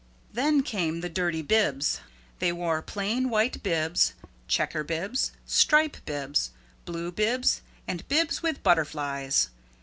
Then came the Dirty Bibs. They wore plain white bibs, checker bibs, stripe bibs, blue bibs and bibs with butterflies.